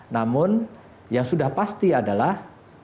namun yang sudah pasti adalah